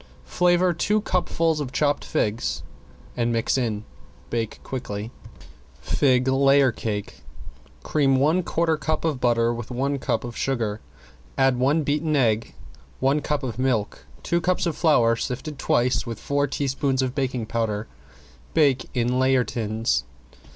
Flavor two cupfuls of chopped figs and mix in. Bake quickly. ~FIG LAYER CAKE~ Cream one quarter cup of butter with one cup of sugar, add one beaten egg, one cup of milk, two cups of flour sifted twice with four teaspoons of baking powder. Bake in layer tins.